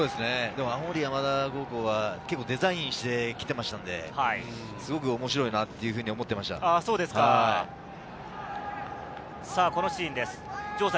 青森山田高校はデザインしてきていましたので、すごく面白いなというふうに思っていまこのシーンです。